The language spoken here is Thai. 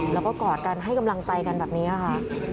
แล้วก็กอดกันให้กำลังใจกันแบบนี้ค่ะ